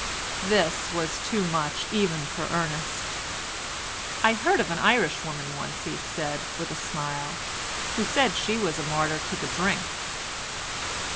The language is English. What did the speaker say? This was too much even for Ernest. "I heard of an Irish woman once," he said, with a smile, "who said she was a martyr to the drink."